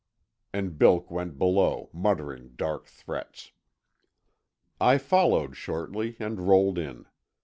And Bilk went below, muttering dark threats. I followed shortly, and rolled in.